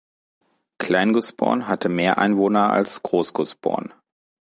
Klein Gusborn hatte mehr Einwohner als Groß Gusborn.